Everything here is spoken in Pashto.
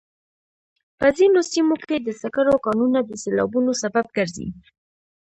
په ځینو سیمو کې د سکرو کانونه د سیلابونو سبب ګرځي.